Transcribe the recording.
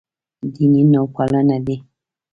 دیني نوپالنه دی.